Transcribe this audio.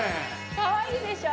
かわいいでしょ。